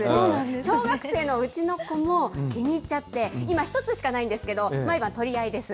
小学生のうちの子も気に入っちゃって、今、１つしかないんですけど、毎晩取り合いです。